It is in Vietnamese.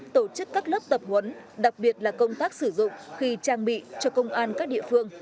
tổ chức các lớp tập huấn đặc biệt là công tác sử dụng khi trang bị cho công an các địa phương